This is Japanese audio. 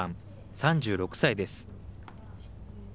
３６歳です。